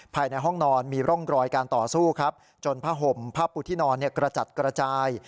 ภายในห้องนอนมีร่องรอยการต่อสู้ครับจนผ้าห่มผ้าปูที่นอนกระจัดกระจาย